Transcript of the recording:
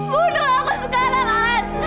bunuh aku sekarang an